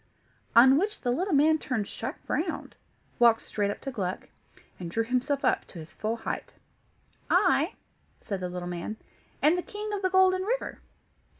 On which the little man turned sharp round, walked straight up to Gluck, and drew himself up to his full height. "I," said the little man, "am the King of the Golden River."